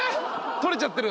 取れちゃってる？